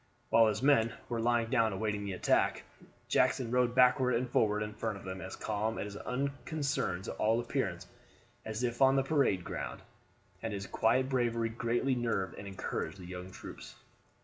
While his men were lying down awaiting the attack, Jackson rode backward and forward in front of them as calm and as unconcerned to all appearance as if on the parade ground, and his quiet bravery greatly nerved and encouraged the young troops.